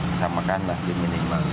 bisa makan lah di minimal